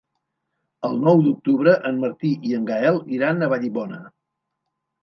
El nou d'octubre en Martí i en Gaël iran a Vallibona.